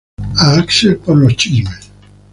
A Axel por los chismes.